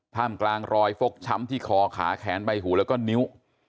มกลางรอยฟกช้ำที่คอขาแขนใบหูแล้วก็นิ้ว